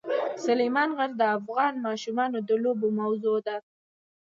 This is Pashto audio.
سلیمان غر د افغان ماشومانو د لوبو موضوع ده.